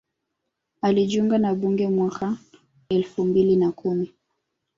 Alijiunga na bunge mwaka elfu mbili na kumi